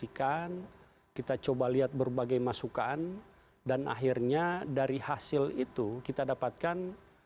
pastikan kita coba lihat berbagai masukan dan akhirnya dari hasil itu kita dapatkan